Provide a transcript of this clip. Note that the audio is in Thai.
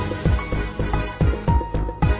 กินโทษส่องแล้วอย่างนี้ก็ได้